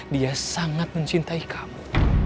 dia sangat mencintai kamu